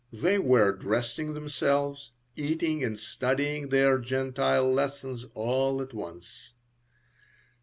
They were dressing themselves, eating and studying their Gentile lessons all at once.